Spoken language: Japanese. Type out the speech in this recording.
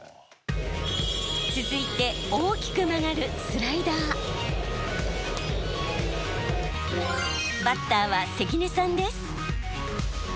続いて大きく曲がるバッターは関根さんです。